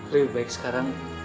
lebih baik sekarang